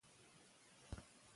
علم د ښځو لپاره ځواک دی.